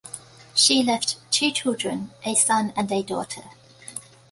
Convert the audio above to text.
She left two children, a son and a daughter.